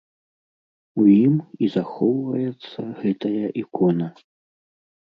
У ім і захоўваецца гэтая ікона.